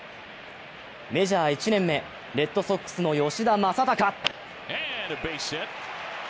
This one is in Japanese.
メジャー１年目、レッドソックスの吉田正尚。